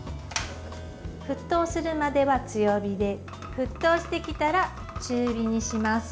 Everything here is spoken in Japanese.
沸騰するまでは強火で沸騰してきたら中火にします。